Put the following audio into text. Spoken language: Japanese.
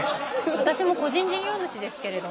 私も個人事業主ですけれども。